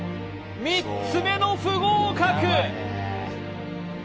３つ目の不合格！